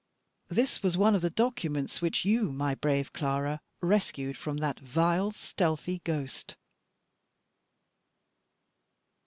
This was one of the documents which you, my brave Clara, rescued from that vile, stealthy ghost.